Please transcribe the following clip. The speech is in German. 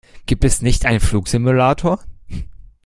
Gibt es nicht einen Flugsimulator?